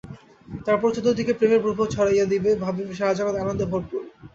তারপর চতুর্দিকে প্রেমের প্রবাহ ছড়াইয়া দিবে, ভাবিবে সারা জগৎ আনন্দে ভরপুর।